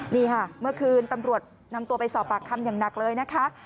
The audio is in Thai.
นี่ค่ะเมื่อคืนตำรวจนำตัวไปสอบปากคำอย่างหนักเลยนะคะ